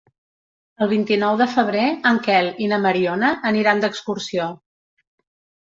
El vint-i-nou de febrer en Quel i na Mariona aniran d'excursió.